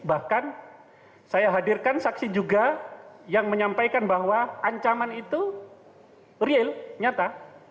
bahkan saya hadirkan saksi juga yang menyampaikan bahwa ancaman itu real nyata